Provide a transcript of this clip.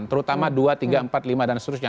terutama dua tiga empat lima dan seterusnya